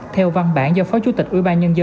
theo văn bản do phó chủ tịch ubnd